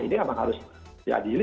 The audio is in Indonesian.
ini memang harus diadili